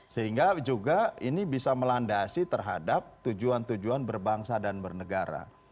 sehingga juga ini bisa melandasi terhadap tujuan tujuan berbangsa dan bernegara